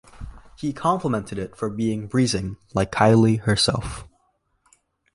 He complimented it for being "breezing, like Kylie herself".